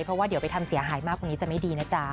เพราะว่าเดี๋ยวไปทำเสียหายมากกว่านี้จะไม่ดีนะจ๊ะ